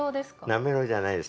なめろうじゃないです。